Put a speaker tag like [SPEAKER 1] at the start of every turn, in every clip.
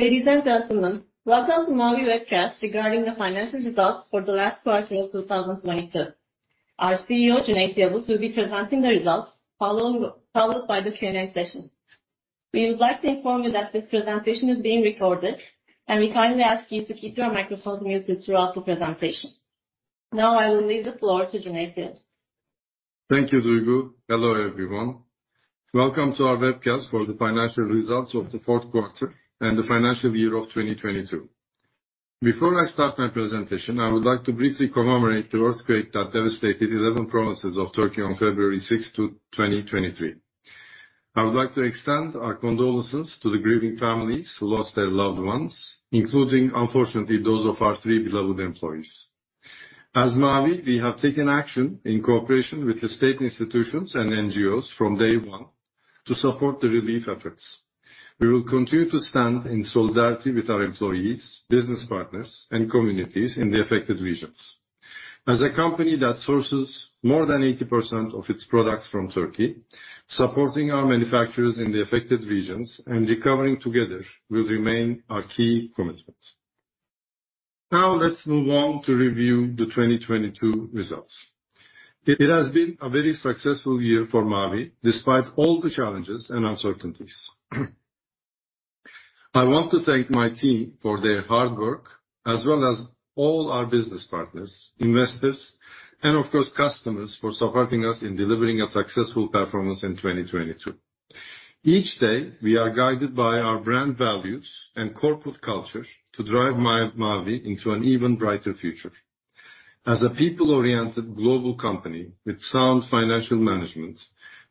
[SPEAKER 1] Ladies and gentlemen, welcome to Mavi webcast regarding the financial results for the last quarter of 2022. Our CEO, Cüneyt Yavuz, will be presenting the results followed by the Q&A session. We would like to inform you that this presentation is being recorded. We kindly ask you to keep your microphones muted throughout the presentation. I will leave the floor to Cüneyt Yavuz.
[SPEAKER 2] Thank you, Duygu. Hello, everyone. Welcome to our webcast for the financial results of the fourth quarter and the financial year of 2022. Before I start my presentation, I would like to briefly commemorate the earthquake that devastated 11 provinces of Turkey on February 6th, 2023. I would like to extend our condolences to the grieving families who lost their loved ones, including, unfortunately, those of our three beloved employees. As Mavi, we have taken action in cooperation with the state institutions and NGOs from day one to support the relief efforts. We will continue to stand in solidarity with our employees, business partners, and communities in the affected regions. As a company that sources more than 80% of its products from Turkey, supporting our manufacturers in the affected regions and recovering together will remain our key commitment. Let's move on to review the 2022 results. It has been a very successful year for Mavi, despite all the challenges and uncertainties. I want to thank my team for their hard work, as well as all our business partners, investors, and of course, customers for supporting us in delivering a successful performance in 2022. Each day, we are guided by our brand values and corporate culture to drive Mavi into an even brighter future. As a people-oriented global company with sound financial management,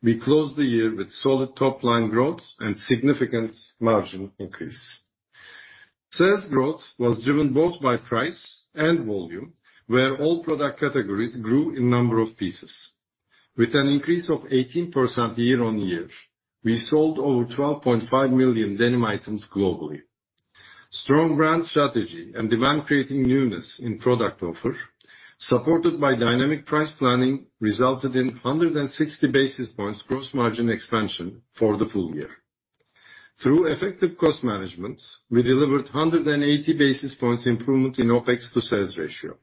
[SPEAKER 2] we closed the year with solid top-line growth and significant margin increase. Sales growth was driven both by price and volume, where all product categories grew in number of pieces. With an increase of 18% year-over-year, we sold over 12.5 million Denim items globally. Strong brand strategy and demand creating newness in product offer, supported by dynamic price planning, resulted in 160 basis points gross margin expansion for the full year. Through effective cost management, we delivered 180 basis points improvement in OpEx to sales ratio.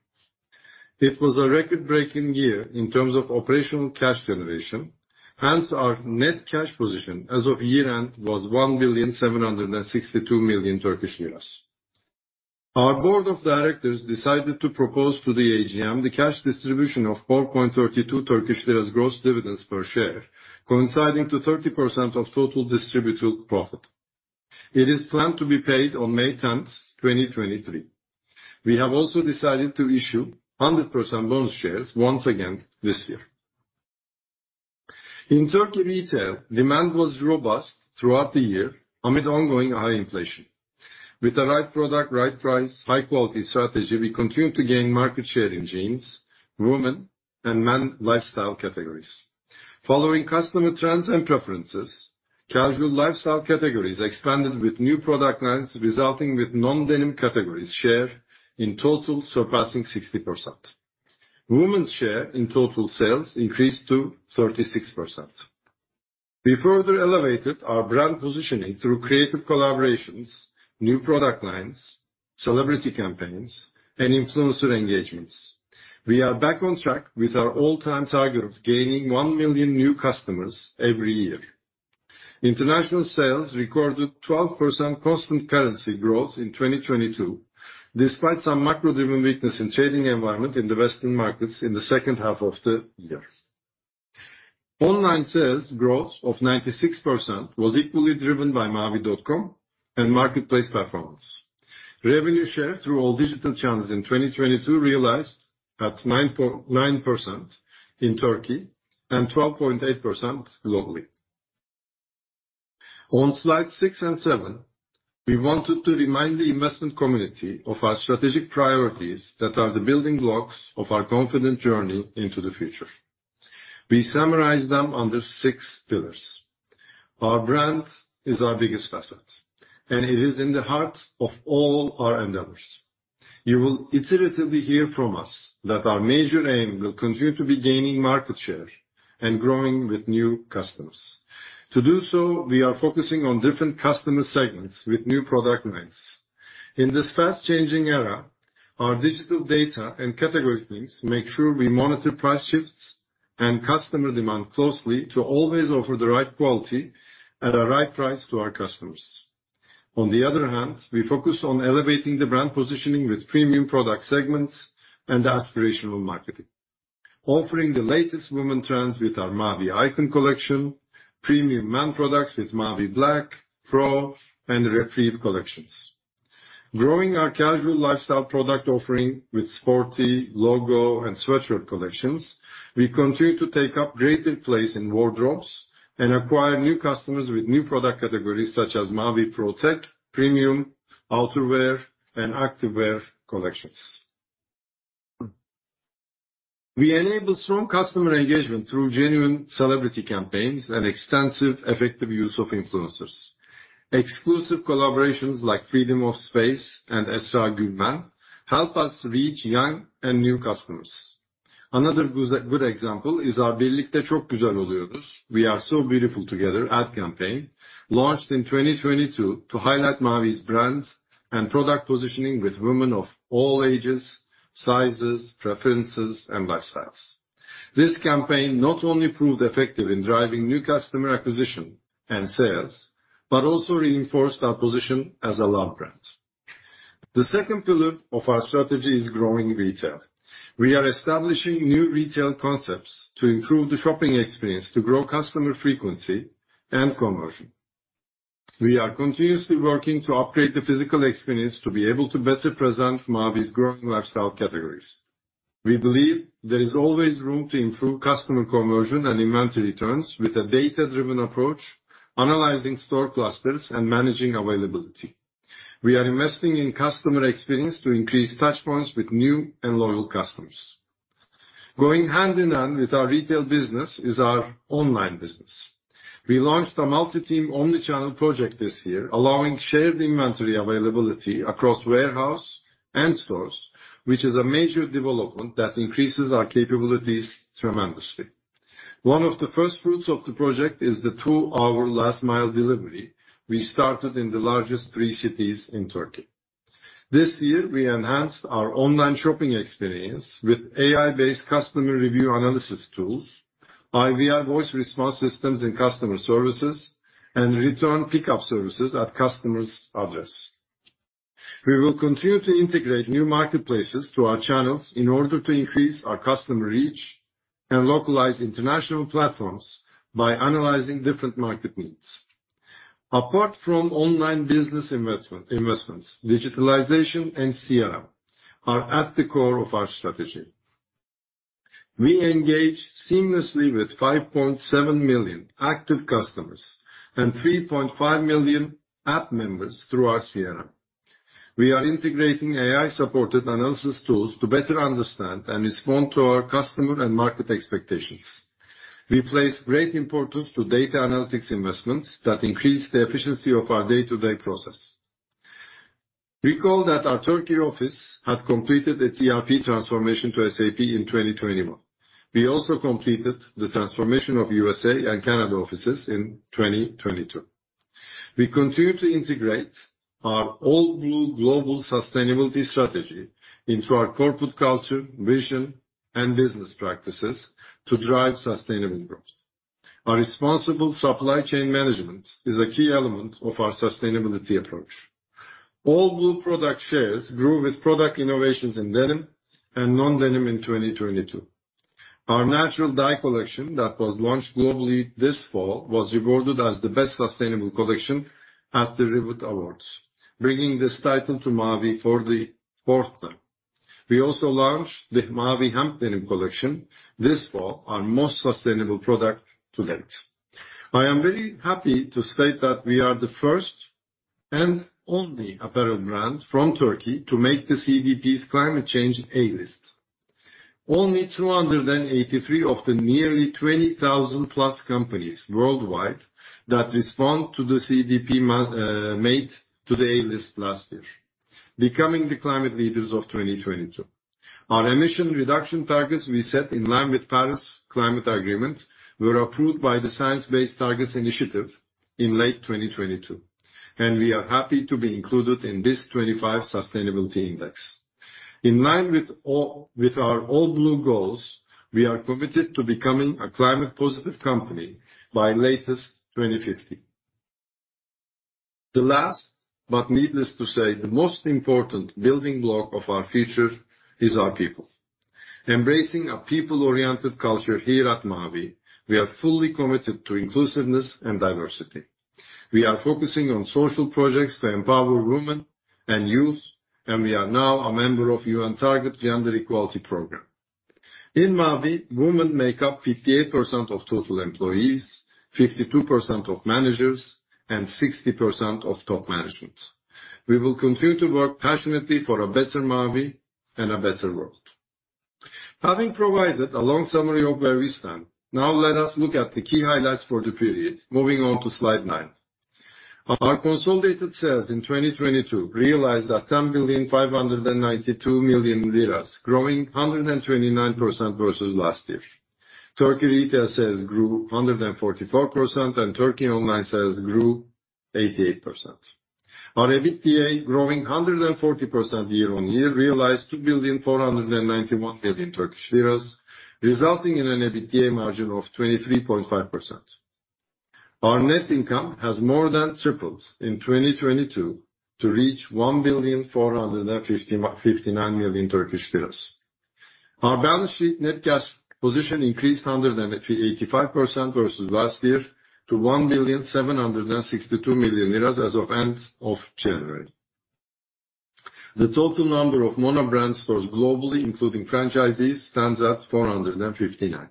[SPEAKER 2] It was a record-breaking year in terms of operational cash generation, hence our net cash position as of year-end was 1.762 billion Turkish lira. Our Board of Directors decided to propose to the AGM the cash distribution of 4.32 Turkish lira gross dividends per share, coinciding to 30% of total distributable profit. It is planned to be paid on May 10th, 2023. We have also decided to issue 100% bonus shares once again this year. In Turkey retail, demand was robust throughout the year amid ongoing high inflation. With the right product, right price, high quality strategy, we continued to gain market share in Jeans, Women, and Men lifestyle categories. Following customer trends and preferences, casual lifestyle categories expanded with new product lines, resulting with Non-Denim categories share in total surpassing 60%. Women's share in total sales increased to 36%. We further elevated our brand positioning through creative collaborations, new product lines, celebrity campaigns, and influencer engagements. We are back on track with our all-time target of gaining one million new customers every year. International sales recorded 12% constant currency growth in 2022, despite some macro-driven weakness in trading environment in the Western markets in the second half of the year. Online sales growth of 96% was equally driven by mavi.com and marketplace performance. Revenue share through all digital channels in 2022 realized at 9.9% in Turkey and 12.8% globally. On slide six and seven, we wanted to remind the investment community of our strategic priorities that are the building blocks of our confident journey into the future. We summarize them under six pillars. Our brand is our biggest facet, and it is in the heart of all our endeavors. You will iteratively hear from us that our major aim will continue to be gaining market share and growing with new customers. To do so, we are focusing on different customer segments with new product lines. In this fast-changing era, our digital data and category teams make sure we monitor price shifts and customer demand closely to always offer the right quality at a right price to our customers. On the other hand, we focus on elevating the brand positioning with premium product segments and aspirational marketing. Offering the latest women trends with our Mavi Icon collection, premium men products with Mavi Black, Pro, and Regenerative collections. Growing our casual lifestyle product offering with Sporty, Logo, and Sweatshirt collections, we continue to take up greater place in wardrobes and acquire new customers with new product categories such as Mavi Pro Tech, Premium, Outerwear, and Activewear collections. We enable strong customer engagement through genuine celebrity campaigns and extensive effective use of influencers. Exclusive collaborations like Freedom of Space and Esra Gülmen help us reach young and new customers. Another good example is our "Birlikte Çok Güzel Oluyoruz" We Are So Beautiful Together ad campaign, launched in 2022 to highlight Mavi's brand and product positioning with women of all ages, sizes, preferences, and lifestyles. This campaign not only proved effective in driving new customer acquisition and sales, but also reinforced our position as a love brand. The second pillar of our strategy is growing retail. We are establishing new retail concepts to improve the shopping experience to grow customer frequency and conversion. We are continuously working to upgrade the physical experience to be able to better present Mavi's growing lifestyle categories. We believe there is always room to improve customer conversion and inventory returns with a data-driven approach, analyzing store clusters, and managing availability. We are investing in customer experience to increase touchpoints with new and loyal customers. Going hand in hand with our retail business is our online business. We launched a multi-team omni-channel project this year, allowing shared inventory availability across warehouse and stores, which is a major development that increases our capabilities tremendously. One of the first fruits of the project is the two-hour last-mile delivery we started in the largest three cities in Turkey. This year, we enhanced our online shopping experience with AI-based customer review analysis tools, IVR voice response systems in customer services, and return pickup services at customer's address. We will continue to integrate new marketplaces to our channels in order to increase our customer reach and localize international platforms by analyzing different market needs. Apart from online business investments, digitalization and CRM are at the core of our strategy. We engage seamlessly with 5.7 million active customers and 3.5 million app members through our CRM. We are integrating AI-supported analysis tools to better understand and respond to our customer and market expectations. We place great importance to data analytics investments that increase the efficiency of our day-to-day process. Recall that our Turkey office had completed its ERP transformation to SAP in 2021. We also completed the transformation of USA and Canada offices in 2022. We continue to integrate our All Blue global sustainability strategy into our corporate culture, vision, and business practices to drive sustainable growth. Our responsible supply chain management is a key element of our sustainability approach. All Blue product shares grew with product innovations in Denim and Non-Denim in 2022. Our natural dye collection that was launched globally this fall was rewarded as the Best Sustainable Collection at the Rivet Awards, bringing this title to Mavi for the fourth time. We also launched the Mavi Hemp Denim collection this fall, our most sustainable product to date. I am very happy to say that we are the first and only apparel brand from Turkey to make the CDP's climate change A List. Only 283 of the nearly 20,000+ companies worldwide that respond to the CDP made to the A List last year, becoming the climate leaders of 2022. Our emission reduction targets we set in line with Paris Climate Agreement were approved by the Science Based Targets initiative in late 2022, we are happy to be included in BIST 25 Sustainability Index. In line with our All Blue goals, we are committed to becoming a climate positive company by latest 2050. The last, needless to say, the most important building block of our future is our people. Embracing a people-oriented culture here at Mavi, we are fully committed to inclusiveness and diversity. We are focusing on social projects to empower women and youth, we are now a member of UN Target Gender Equality program. In Mavi, women make up 58% of total employees, 52% of managers, and 60% of top management. We will continue to work passionately for a better Mavi and a better world. Having provided a long summary of where we stand, let us look at the key highlights for the period. Moving on to slide nine. Our consolidated sales in 2022 realized at 10,592,000,000 lira, growing 129% versus last year. Turkey retail sales grew 144%. Turkey online sales grew 88%. Our EBITDA growing 140% year-over-year realized 2,491,000,000 Turkish lira, resulting in an EBITDA margin of 23.5%. Our net income has more than tripled in 2022 to reach 1,459,000,000 Turkish lira. Our balance sheet net cash position increased 185% versus last year to 1,762,000,000 lira as of end of January. The total number of monobrand stores globally, including franchises, stands at 459.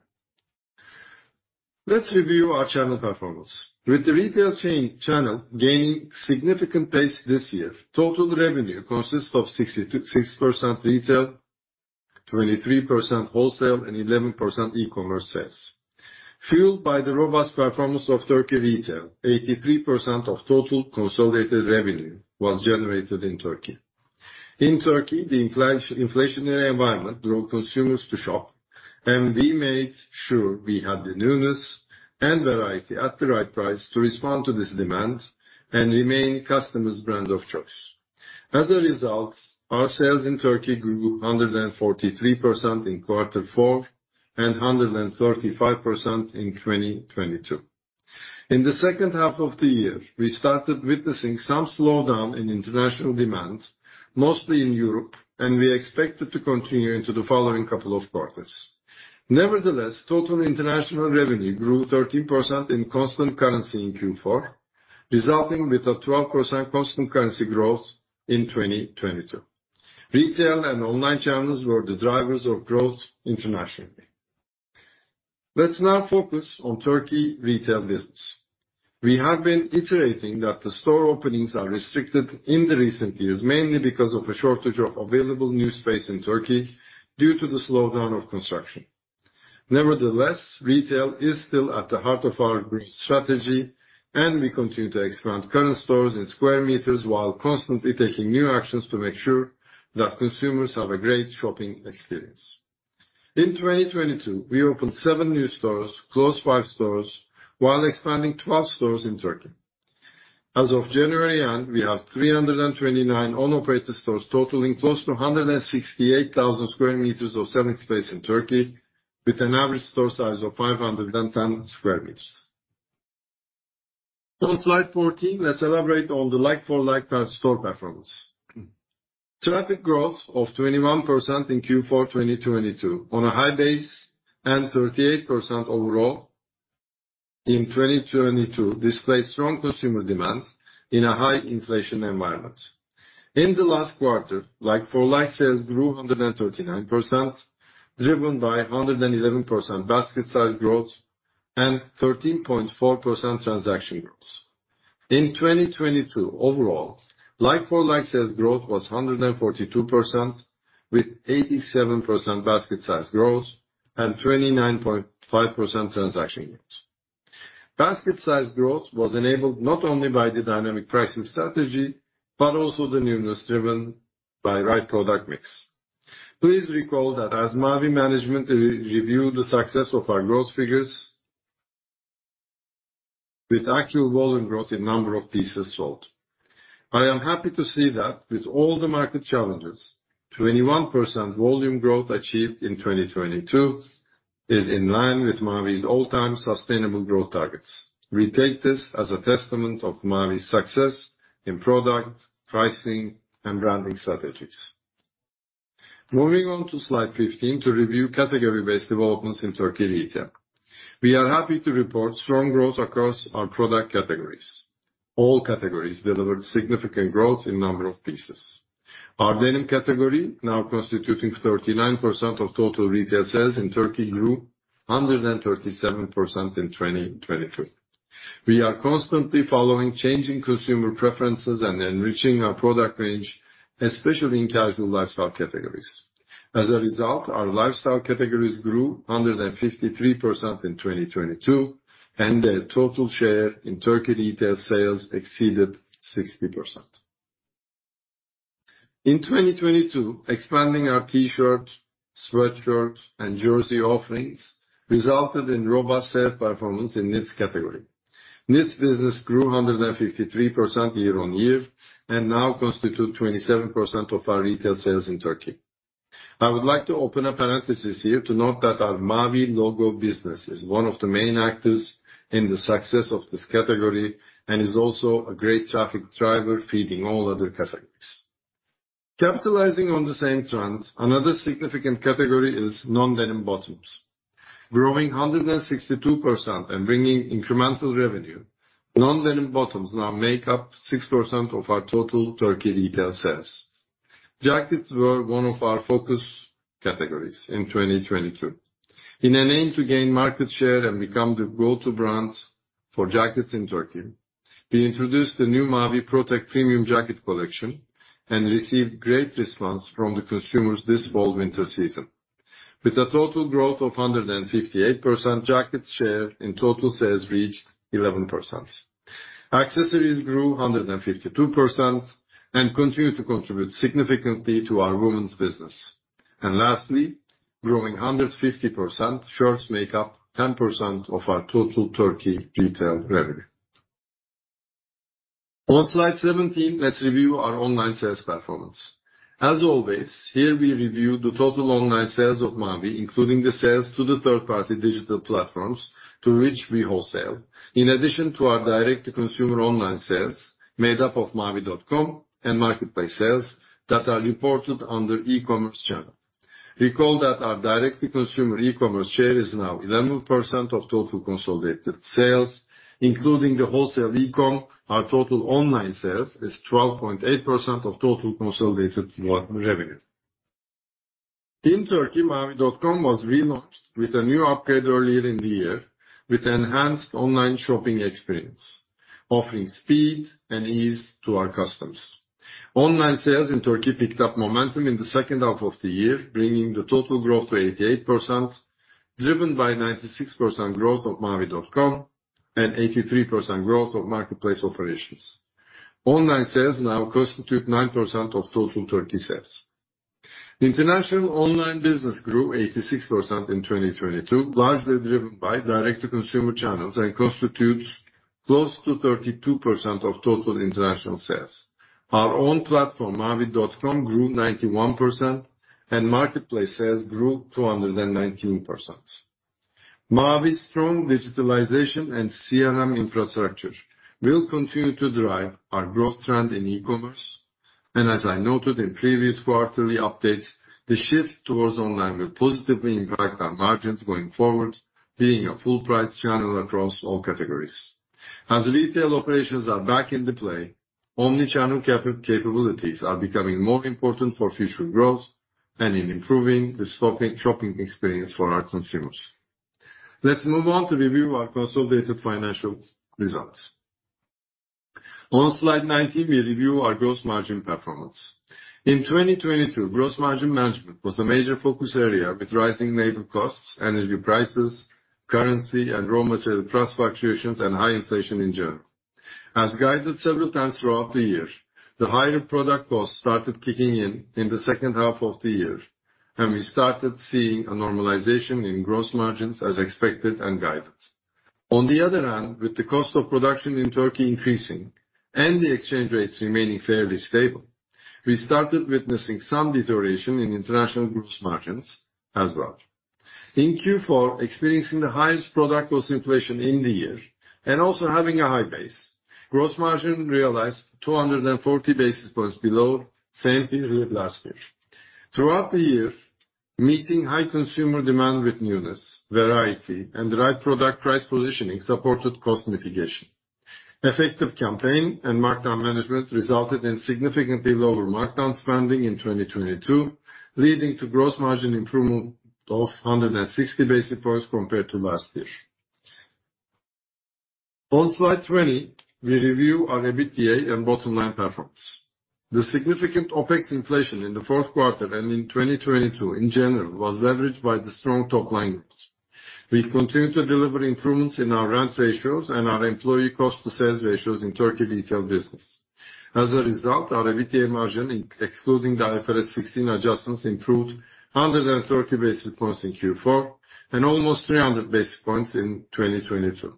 [SPEAKER 2] Let's review our channel performance. With the retail chain channel gaining significant pace this year, total revenue consists of 60% retail, 23% wholesale, and 11% e-commerce sales. Fueled by the robust performance of Turkey retail, 83% of total consolidated revenue was generated in Turkey. In Turkey, the inflationary environment drove consumers to shop, and we made sure we had the newness and variety at the right price to respond to this demand and remain customers' brand of choice. Our sales in Turkey grew 143% in quarter four and 135% in 2022. In the second half of the year, we started witnessing some slowdown in international demand, mostly in Europe. We expect it to continue into the following couple of quarters. Total international revenue grew 13% in constant currency in Q4, resulting with a 12% constant currency growth in 2022. Retail and online channels were the drivers of growth internationally. Let's now focus on Turkey retail business. We have been iterating that the store openings are restricted in the recent years, mainly because of a shortage of available new space in Turkey due to the slowdown of construction. Nevertheless, retail is still at the heart of our group strategy. We continue to expand current stores in square meters while constantly taking new actions to make sure that consumers have a great shopping experience. In 2022, we opened seven new stores, closed five stores while expanding 12 stores in Turkey. As of January end, we have 329 owner-operated stores totaling close to 168,000 square meters of selling space in Turkey, with an average store size of 510 square meters. On slide 14, let's elaborate on the like-for-like store performance. Traffic growth of 21% in Q4, 2022 on a high base and 38% overall in 2022 displays strong consumer demand in a high inflation environment. In the last quarter, like-for-like sales grew 139%, driven by 111% basket size growth and 13.4% transaction growth. In 2022 overall, like-for-like sales growth was 142%, with 87% basket size growth and 29.5% transaction growth. Basket size growth was enabled not only by the dynamic pricing strategy, but also the newness driven by right product mix. Please recall that as Mavi management, we review the success of our growth figures with actual volume growth in number of pieces sold. I am happy to see that with all the market challenges, 21% volume growth achieved in 2022 is in line with Mavi's all-time sustainable growth targets. We take this as a testament of Mavi's success in product, pricing, and branding strategies. Moving on to slide 15 to review category-based developments in Turkey retail. We are happy to report strong growth across our product categories. All categories delivered significant growth in number of pieces. Our Denim category, now constituting 39% of total retail sales in Turkey, grew 137% in 2022. We are constantly following changing consumer preferences and enriching our product range, especially in casual lifestyle categories. As a result, our lifestyle categories grew 153% in 2022, and their total share in Turkey retail sales exceeded 60%. In 2022, expanding our T-shirt, Sweatshirt, and Jersey offerings resulted in robust sales performance in knits category. Knits business grew 153% year-on-year and now constitute 27% of our retail sales in Turkey. I would like to open a parenthesis here to note that our Mavi Logo business is one of the main actors in the success of this category and is also a great traffic driver, feeding all other categories. Capitalizing on the same trend, another significant category is Non-Denim Bottoms. Growing 162% and bringing incremental revenue, Non-Denim Bottoms now make up 6% of our total Turkey retail sales. Jackets were one of our focus categories in 2022. In an aim to gain market share and become the go-to brand for jackets in Turkey, we introduced the new Mavi Protech premium jacket collection and received great response from the consumers this fall/winter season. With a total growth of 158%, jackets share in total sales reached 11%. Accessories grew 152% and continue to contribute significantly to our Women's business. Lastly, growing 150%, shirts make up 10% of our total Turkey retail revenue. On slide 17, let's review our online sales performance. As always, here we review the total online sales of Mavi, including the sales to the third-party digital platforms to which we wholesale. In addition to our direct-to-consumer online sales made up of mavi.com and marketplace sales that are reported under e-commerce channel. Recall that our direct-to-consumer e-commerce share is now 11% of total consolidated sales, including the wholesale e-com, our total online sales is 12.8% of total consolidated revenue. In Turkey, mavi.com was relaunched with a new upgrade earlier in the year with enhanced online shopping experience. Offering speed and ease to our customers. Online sales in Turkey picked up momentum in the second half of the year, bringing the total growth to 88%, driven by 96% growth of mavi.com and 83% growth of marketplace operations. Online sales now constitute 9% of total Turkey sales. International online business grew 86% in 2022, largely driven by direct-to-consumer channels, and constitutes close to 32% of total international sales. Our own platform, mavi.com, grew 91% and marketplace sales grew 219%. Mavi's strong digitalization and CRM infrastructure will continue to drive our growth trend in e-commerce. As I noted in previous quarterly updates, the shift towards online will positively impact our margins going forward, being a full price channel across all categories. As retail operations are back into play, omni-channel capabilities are becoming more important for future growth and in improving the shopping experience for our consumers. Let's move on to review our consolidated financial results. On slide 19, we review our gross margin performance. In 2022, gross margin management was a major focus area with rising labor costs, energy prices, currency and raw material price fluctuations, and high inflation in general. As guided several times throughout the year, the higher product costs started kicking in the second half of the year, and we started seeing a normalization in gross margins as expected and guided. With the cost of production in Turkey increasing and the exchange rates remaining fairly stable, we started witnessing some deterioration in international gross margins as well. In Q4, experiencing the highest product cost inflation in the year and also having a high base, gross margin realized 240 basis points below same period last year. Throughout the year, meeting high consumer demand with newness, variety, and the right product price positioning supported cost mitigation. Effective campaign and markdown management resulted in significantly lower markdown spending in 2022, leading to gross margin improvement of 160 basis points compared to last year. On slide 20, we review our EBITDA and bottom line performance. The significant OpEx inflation in the fourth quarter and in 2022 in general was leveraged by the strong top line. We continue to deliver improvements in our rent ratios and our employee cost to sales ratios in Turkey retail business. Our EBITDA margin, excluding the IFRS 16 adjustments, improved 130 basis points in Q4 and almost 300 basis points in 2022.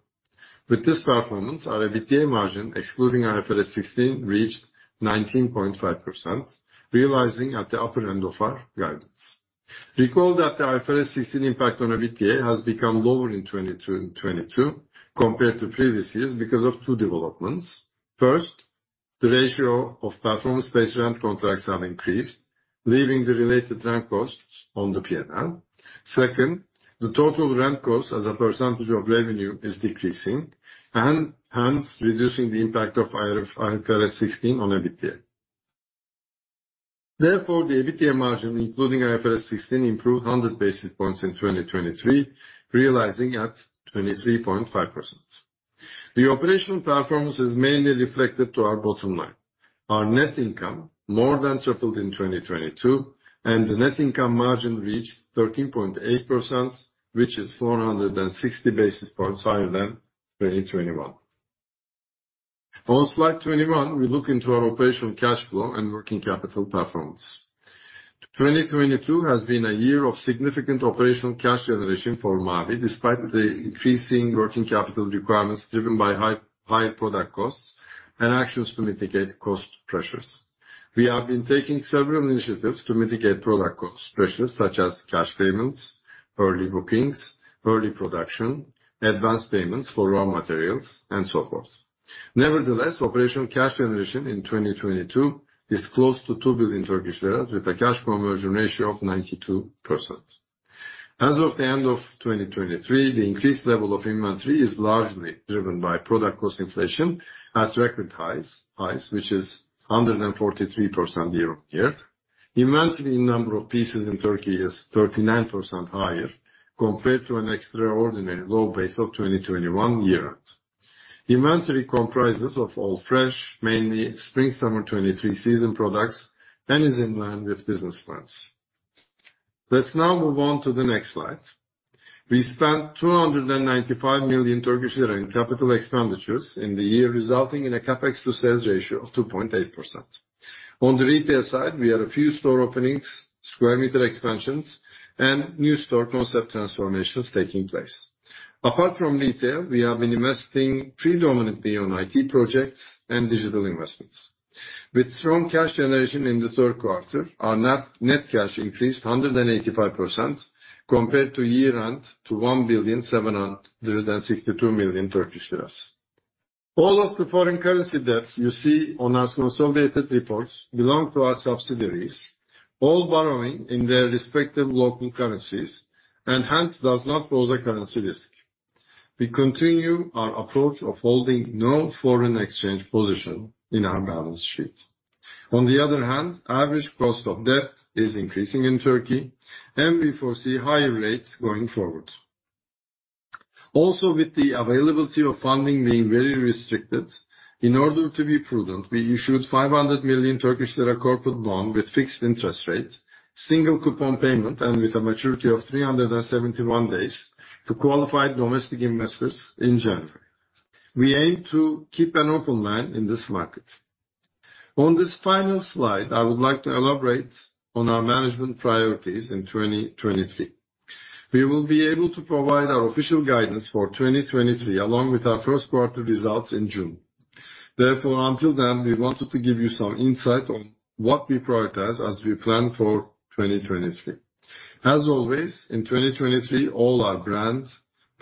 [SPEAKER 2] With this performance, our EBITDA margin, excluding IFRS 16, reached 19.5%, realizing at the upper end of our guidance. Recall that the IFRS 16 impact on EBITDA has become lower in 2022 compared to previous years because of two developments. First, the ratio of performance-based rent contracts have increased, leaving the related rent costs on the P&L. Second, the total rent cost as a percentage of revenue is decreasing and hence reducing the impact of IFRS 16 on EBITDA. The EBITDA margin, including IFRS 16, improved 100 basis points in 2023, realizing at 23.5%. The operational performance is mainly reflected to our bottom line. Our net income more than tripled in 2022, and the net income margin reached 13.8%, which is 460 basis points higher than 2021. On slide 21, we look into our operational cash flow and working capital performance. 2022 has been a year of significant operational cash generation for Mavi, despite the increasing working capital requirements driven by higher product costs and actions to mitigate cost pressures. We have been taking several initiatives to mitigate product cost pressures, such as cash payments, early bookings, early production, advanced payments for raw materials, and so forth. Nevertheless, operational cash generation in 2022 is close to 2 billion Turkish lira, with a cash conversion ratio of 92%. As of the end of 2023, the increased level of inventory is largely driven by product cost inflation at record highs, which is 143% year-on-year. Inventory number of pieces in Turkey is 39% higher compared to an extraordinary low base of 2021 year. Inventory comprises of all fresh, mainly spring summer 23 season products, and is in line with business plans. Let's now move on to the next slide. We spent 295 million Turkish lira in capital expenditures in the year, resulting in a CapEx to sales ratio of 2.8%. On the retail side, we had a few store openings, square meter expansions, and new store concept transformations taking place. Apart from retail, we have been investing predominantly on IT projects and digital investments. With strong cash generation in the third quarter, our net cash increased 185% compared to year-end to 1.762 billion. All of the foreign currency debts you see on our consolidated reports belong to our subsidiaries, all borrowing in their respective local currencies, and hence does not pose a currency risk. We continue our approach of holding no foreign exchange position in our balance sheet. On the other hand, average cost of debt is increasing in Turkey, and we foresee higher rates going forward. With the availability of funding being very restricted, in order to be prudent, we issued 500 million Turkish lira corporate bond with fixed interest rates, single coupon payment, and with a maturity of 371 days to qualified domestic investors in January. We aim to keep an open mind in this market. On this final slide, I would like to elaborate on our management priorities in 2023. We will be able to provide our official guidance for 2023 along with our first quarter results in June. Until then, we wanted to give you some insight on what we prioritize as we plan for 2023. As always, in 2023, all our brands,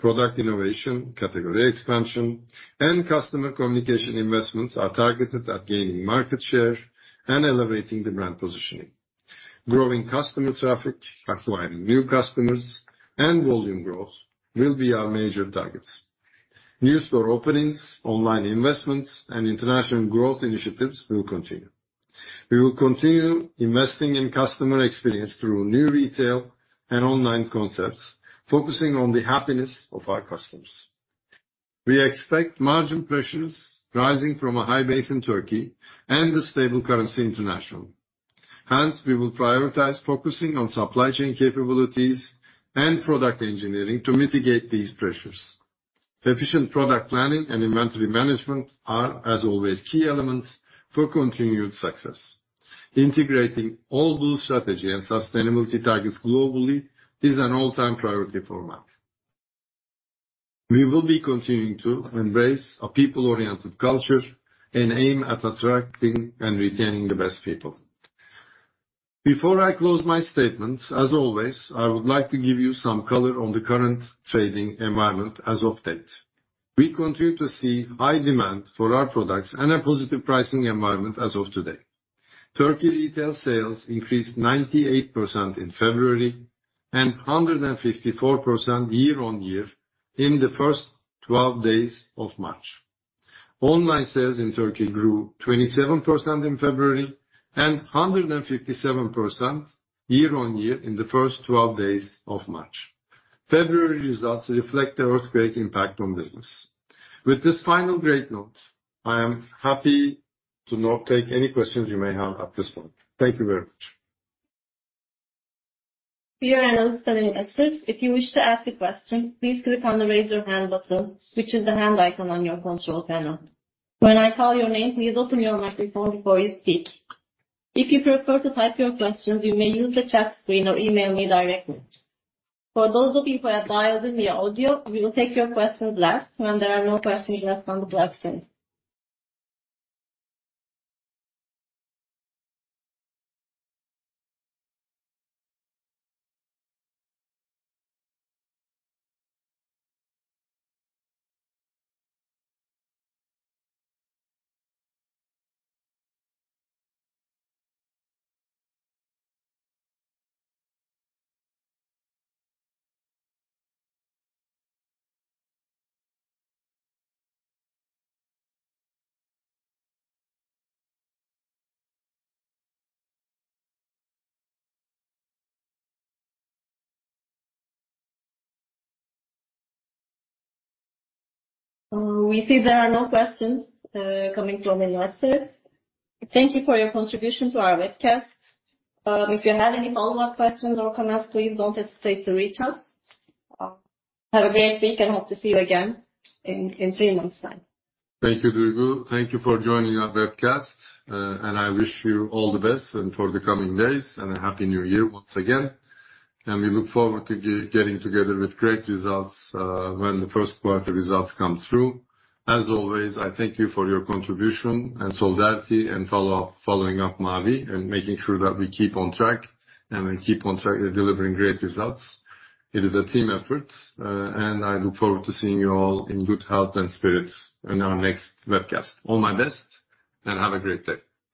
[SPEAKER 2] product innovation, category expansion, and customer communication investments are targeted at gaining market share and elevating the brand positioning. Growing customer traffic, acquiring new customers, and volume growth will be our major targets. New store openings, online investments, and international growth initiatives will continue. We will continue investing in customer experience through new retail and online concepts, focusing on the happiness of our customers. We expect margin pressures rising from a high base in Turkey and the stable currency international. We will prioritize focusing on supply chain capabilities and product engineering to mitigate these pressures. Efficient product planning and inventory management are, as always, key elements for continued success. Integrating All Blue strategy and sustainability targets globally is an all-time priority for Mavi. We will be continuing to embrace a people-oriented culture and aim at attracting and retaining the best people. Before I close my statements, as always, I would like to give you some color on the current trading environment as of date. We continue to see high demand for our products and a positive pricing environment as of today. Turkey retail sales increased 98% in February and 154% year-on-year in the first 12 days of March. Online sales in Turkey grew 27% in February and 157% year-on-year in the first 12 days of March. February results reflect the earthquake impact on business. With this final great note, I am happy to now take any questions you may have at this point. Thank you very much.
[SPEAKER 1] Dear analysts and investors, if you wish to ask a question, please click on the Raise Your Hand button, which is the hand icon on your control panel. When I call your name, please open your microphone before you speak. If you prefer to type your questions, you may use the chat screen or email me directly. For those of you who have dialed in via audio, we will take your questions last when there are no questions left on the chat screen. We see there are no questions coming from investors. Thank you for your contribution to our webcast. If you have any follow-up questions or comments, please don't hesitate to reach us. Have a great week and hope to see you again in three months time.
[SPEAKER 2] Thank you, Duygu. Thank you for joining our webcast. I wish you all the best and for the coming days, and a happy New Year once again. We look forward to getting together with great results, when the first quarter results come through. As always, I thank you for your contribution and solidarity and following up Mavi and making sure that we keep on track, and we keep on track delivering great results. It is a team effort. I look forward to seeing you all in good health and spirits in our next webcast. All my best, and have a great day.